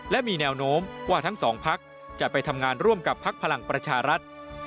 และมีแนวโน้มว่าทั้งสองพักจะไปทำงานร่วมกับพักพลังประชารัฐ